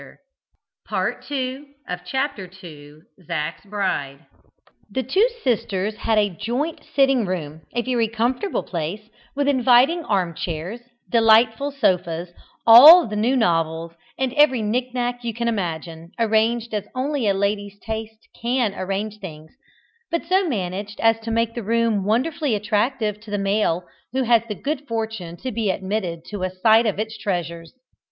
But his time of trial was "Five o'clock Tea." The two sisters had a joint sitting room, a very comfortable place, with inviting arm chairs, delightful sofas, all the new novels, and every knick knack you can imagine, arranged as only a lady's taste can arrange things, but so managed as to make the room wonderfully attractive to the male who has the good fortune to be admitted to a sight of its treasures.